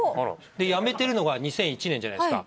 で辞めてるのが２００１年じゃないですか。